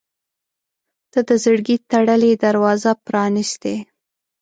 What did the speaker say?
• ته د زړګي تړلې دروازه پرانستې.